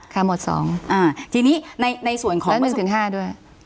ค่ะหมดสองและหนึ่งถึงห้าด้วย